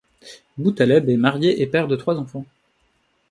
Boutaleb est marié et père de trois enfants.